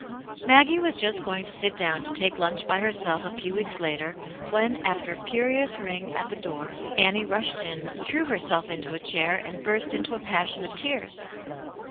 MAGGIE was just going to sit down to take lunch by herself a few weeks later, when, after a furious ring at the door, Annie rushed in, threw herself into a chair, and burst into a passion of tears.